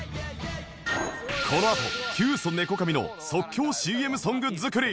このあとキュウソネコカミの即興 ＣＭ ソング作り